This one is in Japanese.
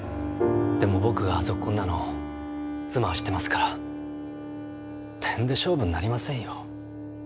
でも僕がゾッコンなの妻は知ってますからてんで勝負になりませんよ。